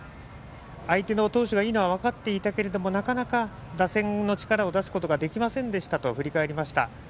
相手の投手がいいのは分かっていたけどなかなか打線の力を出すことができませんでしたと振り返りました。